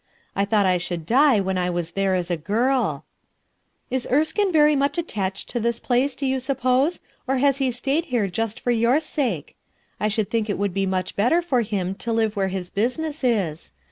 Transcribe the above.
I thought I should die when I was there as a girl. u SENTIMENTAL" PEOPLE 131 "IsErskinc very much attached to this place, do you suppose, or has he stayed here just for your sake? I should think it would be much better for him to live where his business is.